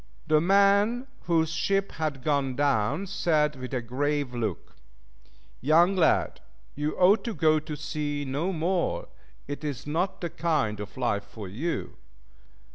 The man whose ship had gone down said with a grave look, "Young lad, you ought to go to sea no more, it is not the kind, of life for you."